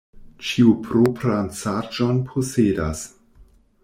Ĉiu propran saĝon posedas.